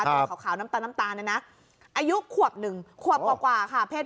ใส่ขาวน้ำตาลนะน่ะอายุขวบหนึ่งขวบกว่าค่ะ